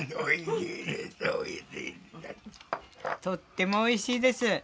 とってもおいしいです。